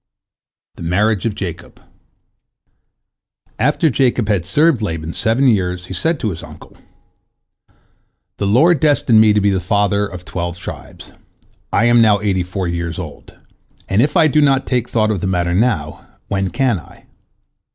THE MARRIAGE OF JACOB After Jacob had served Laban seven years, he said to his uncle: "The Lord destined me to be the father of twelve tribes. I am now eighty four years old, and if I do not take thought of the matter now, when can I?"